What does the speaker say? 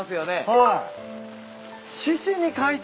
はい。